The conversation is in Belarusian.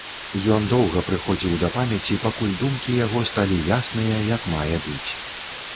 Ён доўга прыходзіў да памяці, пакуль думкі яго сталі ясныя як мае быць.